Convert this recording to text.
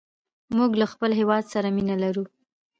موږ له خپل هېواد سره مینه لرو.